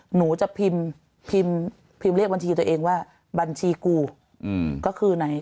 หนูจะพิมพ์พิมพ์เรียกบัญชีตัวเองว่าบัญชีกูอืมก็คือไหน